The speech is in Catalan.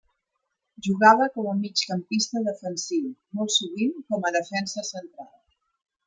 Jugava com a migcampista defensiu, molt sovint com a defensa central.